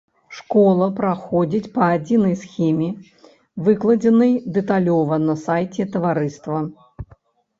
Школа праходзіць па адзінай схеме, выкладзенай дэталёва на сайце таварыства.